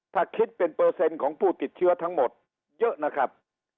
ถ้าคิดเป็นเปอร์เซ็นต์ของผู้ติดเชื้อทั้งหมดเยอะนะครับ